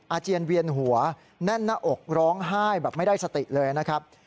อาเจียนเวียนหัวแน่นหน้าอกร้องไห้แบบไม่ได้สติเลยนะครับ